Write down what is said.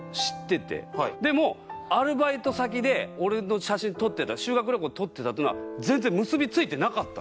でもアルバイト先で俺と写真撮ってた修学旅行で撮ってたっていうのは全然結びついてなかった。